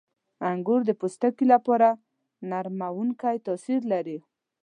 • انګور د پوستکي لپاره نرمونکی تاثیر لري.